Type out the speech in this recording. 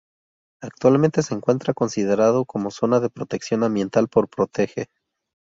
Actualmente se encuentra considerado como zona de protección ambiental por Protege